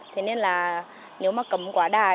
thế nên là nếu mà cấm quá đài